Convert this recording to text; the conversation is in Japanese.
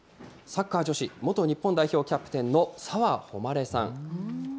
サッカー女子、元日本代表キャプテンの澤穂希さん。